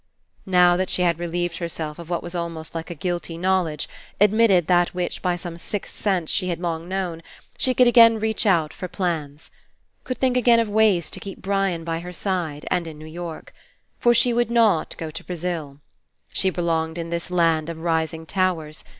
Now that she had relieved herself of what was almost like a guilty knowledge, ad mitted that which by some sixth sense she had 200 FINALE long known, she could again reach out for plans. Could think again of ways to keep Brian by her side, and in New York. For she would not go to Brazil. She belonged In this land of rising towers.